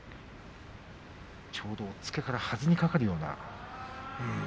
ちょうど押っつけからはずにかかるような。